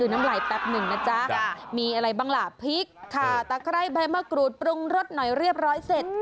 น้ำไหลแป๊บหนึ่งนะจ๊ะมีอะไรบ้างล่ะพริกค่ะตะไคร้ใบมะกรูดปรุงรสหน่อยเรียบร้อยเสร็จ